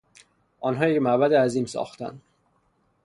آنها یک معبد عظیم ساختند.